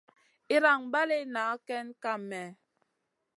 Iyran balley nah kam miguè.